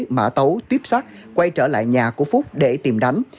mã tấu tiếp sát quay trở lại nhà của phúc để tìm đánh